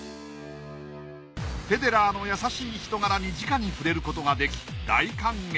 フェデラーの優しい人柄にじかに触れることができ大感激。